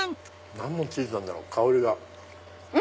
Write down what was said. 何のチーズなんだろう？